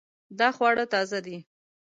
دا خواړه تازه دي